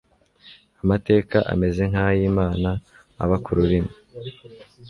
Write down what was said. Amateka ameze nk ay Imana aba ku rurimi